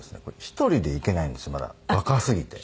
一人で行けないんですよまだ若すぎて。